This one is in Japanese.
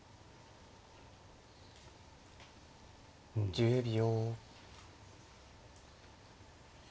１０秒。